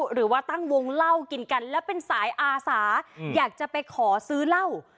หรือว่าตั้งวงเล่ากินกันแล้วเป็นสายอาสาอยากจะไปขอซื้อเหล้า